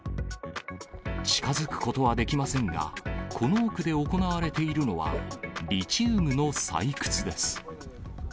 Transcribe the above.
近づくことはできませんが、この奥で行われているのは、リチウムの採掘です。